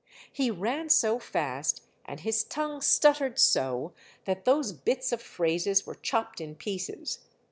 He ran so fast, and his tongue stuttered so, that those bits of phrases were chopped in pieces.